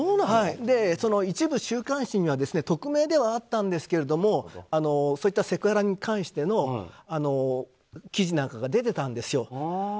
その一部週刊誌には匿名ではあったんですけどそういったセクハラに関しての記事なんかが出ていたんですよ。